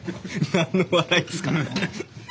何の笑いですか？